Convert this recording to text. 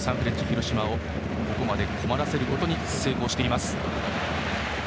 広島をここまで困らせることに成功しています。